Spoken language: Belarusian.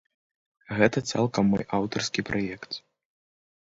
Гэта цалкам мой аўтарскі праект.